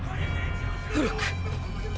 フロック。